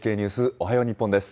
おはよう日本です。